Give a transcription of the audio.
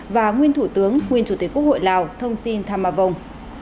và nguyên thủ tướng nguyên chủ tịch quốc hội lào thông sinh tham ma vong